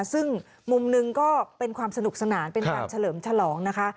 ซึ่งมุมหนึ่งก็เป็นความสนุกสนานเป็นการเฉลิมฉลองนะคะ